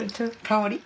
香り？